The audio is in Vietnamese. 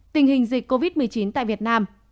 tình hình dịch covid một mươi chín tại việt nam